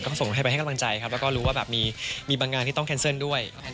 ก็ส่งกับเพื่อนไปให้กำลังใจในกรณีหน้าที่ต้องขัดงานด้วย